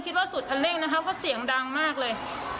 คิดว่าสุดคันเร่งนะคะเพราะเสียงดังมากเลย